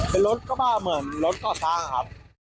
เป็นรถก็บ้าเหมือนรถต่อทางครับ